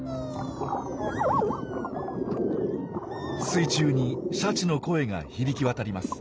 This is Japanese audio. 水中にシャチの声が響き渡ります。